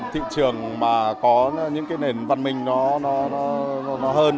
thị trường mà có những cái nền văn minh nó hơn